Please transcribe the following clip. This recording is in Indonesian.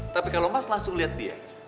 tapi kalau mas langsung lihat dia